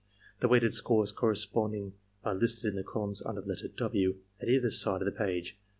The weighted scores corre sponding are listed in the columns imder the letter "W" at either side of the page.